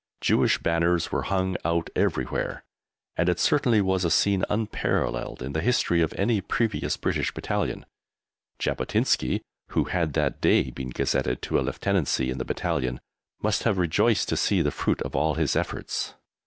Jewish banners were hung out everywhere, and it certainly was a scene unparalleled in the history of any previous British Battalion. Jabotinsky (who had that day been gazetted to a Lieutenancy in the Battalion) must have rejoiced to see the fruit of all his efforts.